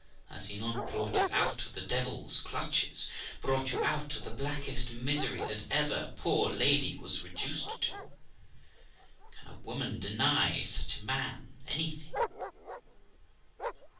Has he not brought you out of the devil's clutches, brought you out of the blackest misery that ever poor lady was reduced to ? Can a woman deny such a man anything